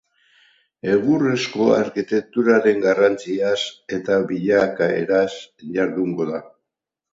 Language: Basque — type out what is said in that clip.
Egurrezko arkitekturaren garrantziaz eta bilakaeraz jardungo da.